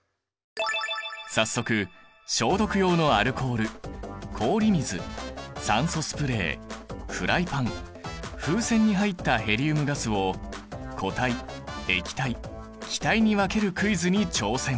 早速消毒用のアルコール氷水酸素スプレーフライパン風船に入ったヘリウムガスを固体液体気体に分けるクイズに挑戦！